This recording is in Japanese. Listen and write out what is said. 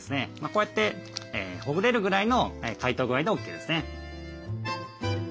こうやってほぐれるぐらいの解凍具合でＯＫですね。